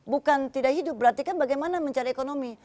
bukan tidak hidup berarti kan bagaimana mencari ekonomi